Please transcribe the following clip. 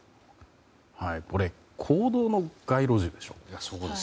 これ公道の街路樹でしょ。